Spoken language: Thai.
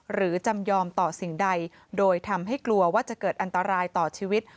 จำยอมต่อสิ่งใดโดยทำให้กลัวว่าจะเกิดอันตรายต่อชีวิต